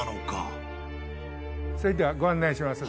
それではご案内します。